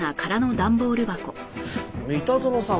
三田園さん